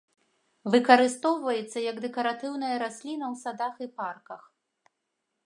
Выкарыстоўваецца як дэкаратыўная расліна ў садах і парках.